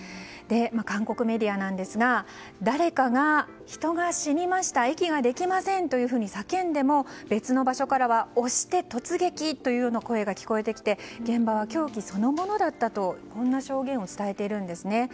韓国メディアなんですが誰かが人が死にました息ができませんというふうに叫んでも別の場所からは押して突撃という声が聞こえてきて現場は狂気そのものだったとこんな証言を伝えているんですね。